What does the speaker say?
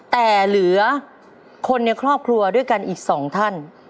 แต่เหลือคนในครอบครัวด้วยกันอีก๒ท่าน